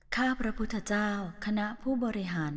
ข้าพระพุทธเจ้าคณะผู้บริหาร